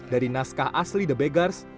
dari naskah asli the beggers